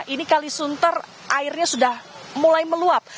ini kalisunter airnya sudah mulai meluap